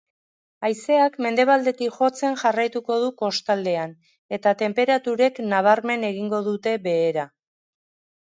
Haizeak mendebaldetik jotzen jarraituko du kostaldean, eta tenperaturek nabarmen egingo dute behera.